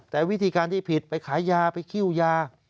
แต่วิธีการที่ผิดไปขายยาไปคิ้วยา